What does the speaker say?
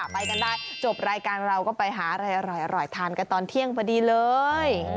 ไปกันได้จบรายการเราก็ไปหาอะไรอร่อยทานกันตอนเที่ยงพอดีเลย